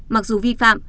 mặc dù vi phạm